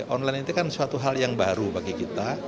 online itu kan suatu hal yang baru bagi kita